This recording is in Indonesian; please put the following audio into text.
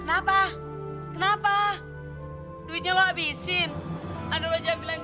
alhamdulillah anak gitu dong